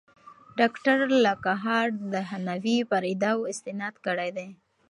ډاکټر لاکهارټ د هانوې پر ادعاوو استناد کړی دی.